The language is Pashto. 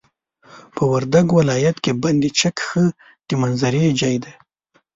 په وردګ ولايت کي بند چک ښه د منظرې ځاي دي.